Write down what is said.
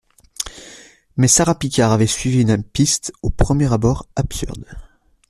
Mais Sara Picard avait suivi une piste au premier abord absurde